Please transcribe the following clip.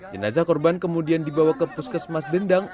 jenazah korban kemudian dibawa ke puskesmas dendang